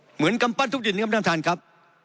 เหมือนกำปั้นทุกดินครับท่านประทานครับ